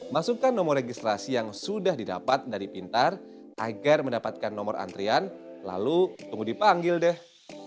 masukkan nomor registrasi yang sudah didapat dari pintar agar mendapatkan nomor antrian lalu tunggu dipanggil deh